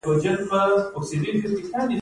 د شیرزاد ولسوالۍ د سپینو تیږو کانونه لري.